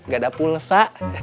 gak ada pulsa